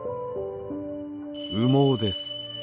羽毛です。